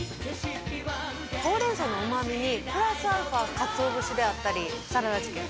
ほうれん草のうま味にプラスアルファかつお節であったりサラダチキン。